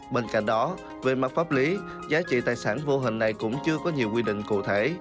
bên cạnh đó về mặt pháp lý giá trị tài sản vô hình này cũng chưa có nhiều quy định cụ thể